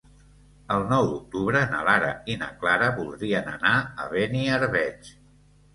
El nou d'octubre na Lara i na Clara voldrien anar a Beniarbeig.